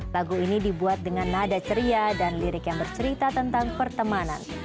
lagu ini dibuat dengan nada ceria dan lirik yang bercerita tentang pertemanan